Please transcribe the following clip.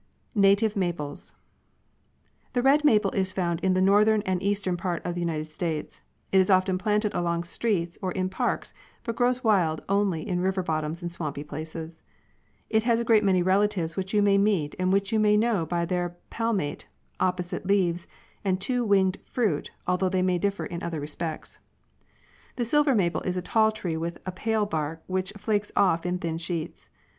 NATIVE MAPLES. The red maple is found in the northern and east ern parts of the United States. It is often planted along streets or in parks, but grows wild only in river bottoms and swampy places. It has a great many relatives which you may meet and which you may know by their palmate, opposite leaves, and the two winged fruit, although they may differ in other respects. The silver maple is a tall tree with a pale bark, which flakes off in thin sheets.